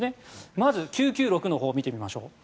まず、９９６のほうを見てみましょう。